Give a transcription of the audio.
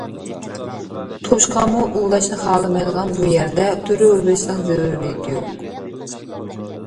توشقانمۇ ئۇۋىلاشنى خالىمايدىغان بۇ يەردە تۇرۇۋېرىشنىڭ زۆرۈرىيىتى يوق.